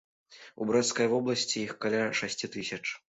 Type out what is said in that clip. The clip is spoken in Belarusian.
У брэсцкай вобласці іх каля шасці тысяч.